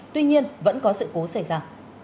tuy nhiên vẫn có sự cố xảy ra